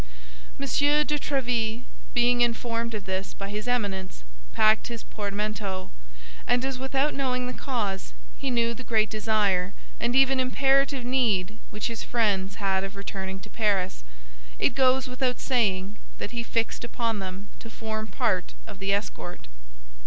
M. de Tréville, being informed of this by his Eminence, packed his portmanteau; and as without knowing the cause he knew the great desire and even imperative need which his friends had of returning to Paris, it goes without saying that he fixed upon them to form part of the escort.